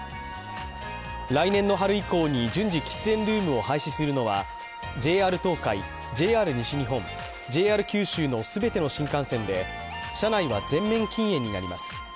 来年の春以降に順次、喫煙ルームを廃止するのはＪＲ東海、ＪＲ西日本、ＪＲ九州の全ての新幹線で、車内は全面禁煙になります。